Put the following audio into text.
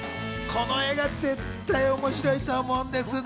この映画、絶対面白いと思うんです。